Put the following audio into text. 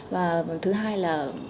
và thứ hai là